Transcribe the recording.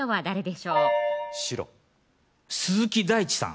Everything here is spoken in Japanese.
そう鈴木大地さん